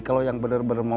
minta sistem gratis buat uang